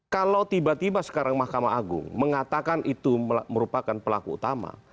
kalau tiba tiba sekarang mahkamah agung mengatakan itu merupakan pelaku utama